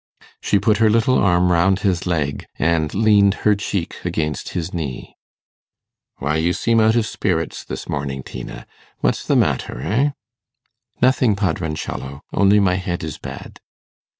She put her little arm round his leg, and leaned her cheek against his knee. 'Why, you seem out of spirits this morning, Tina. What's the matter, eh?' 'Nothing, Padroncello; only my head is bad.